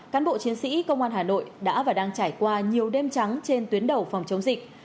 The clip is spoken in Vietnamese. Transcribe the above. cán bộ chiến sĩ công an hà nội đã và đang trải qua nhiều đêm trắng trên tuyến đầu phòng chống dịch